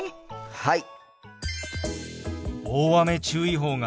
はい！